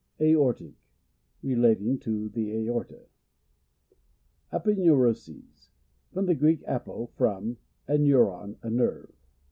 Aortic. — Relating to the aorta. Aponeuroses. — From the Greek, apo, from, and neuron, a nei ve.